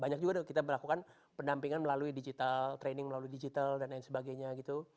banyak juga kita melakukan pendampingan melalui digital training melalui digital dan lain sebagainya gitu